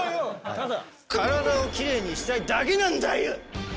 ただ体をキレイにしたいだけなんだよ。